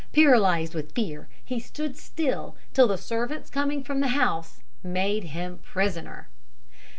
Paralysed with fear, he stood still, till the servants coming from the house made him prisoner.